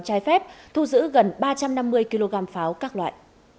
trái phép thu giữ gần ba trăm năm mươi kg pháo các loại